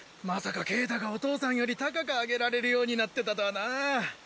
まさかケータがお父さんより高くあげられるようになってたとはな。